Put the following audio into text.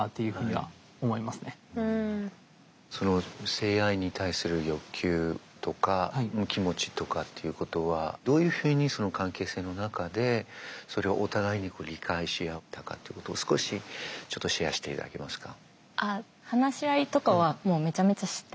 性愛に対する欲求とか気持ちとかっていうことはどういうふうにその関係性の中でそれをお互いに理解し合ったかってことを少しちょっとシェアしていただけますか？